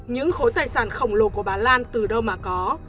những khối tài sản khổng lồ của bà lan từ đâu mà có